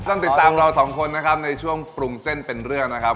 ต้องติดตามเราสองคนนะครับในช่วงปรุงเส้นเป็นเรื่องนะครับ